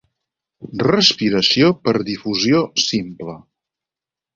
Respiració per difusió simple.